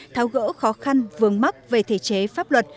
tháo gỡ khó khăn vướng mắc về thể chế pháp luật